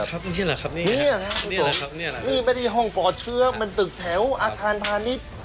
นี่แหละครับนี่แหละครับนี่แหละครับนี่ผสมนี่ไม่ได้ห้องปลอดเชื้อมันตึกแถวอาคารพาณิชย์